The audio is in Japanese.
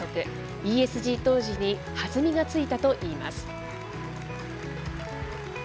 ＥＳＧ投資に弾みがついたといいます。